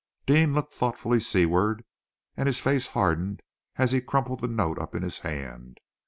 Deane looked thoughtfully seaward, and his face hardened as he crumpled the note up in his hand.